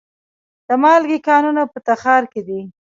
د مالګې کانونه په تخار کې دي